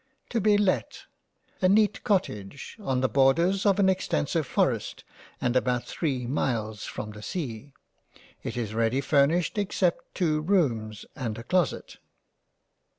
To be Lett A Neat Cottage on the borders of an extensive forest and about three Miles from the Sea. It is ready furnished except two rooms and a Closet.